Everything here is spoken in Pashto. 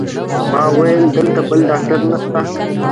ما وویل: دلته بل ډاکټر نشته؟